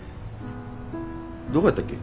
どこやったっけ？